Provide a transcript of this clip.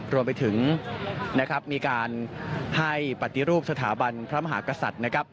รวมไปถึงนะครับมีการให้ปฏิรูปสถาบันพระมหากษัตริย์นะครับ